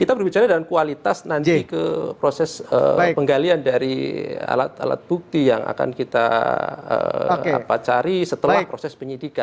kita berbicara dalam kualitas nanti ke proses penggalian dari alat alat bukti yang akan kita cari setelah proses penyidikan